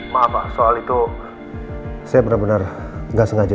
maaf pak soal itu saya benar benar nggak sengaja